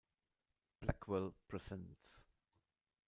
Blackwell Presents".